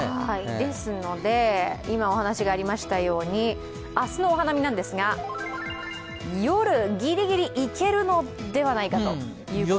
ですので、今お話がありましたように、明日のお花見なんですが夜、ギリギリいけるのではないかということで。